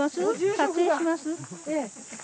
撮影します？